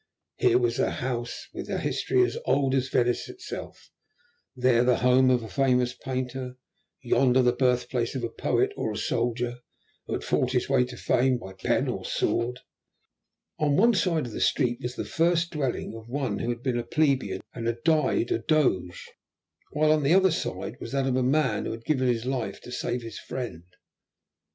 Here was a house with a history as old as Venice itself; there the home of a famous painter; yonder the birthplace of a poet or a soldier, who had fought his way to fame by pen or by sword. On one side of the street was the first dwelling of one who had been a plebeian and had died a Doge; while on the other side was that of a man who had given his life to save his friend.